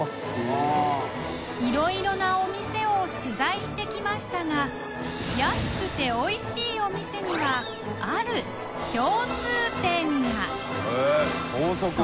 いろいろなお店を取材してきましたが安くておいしいお店にはある共通点がへぇ法則？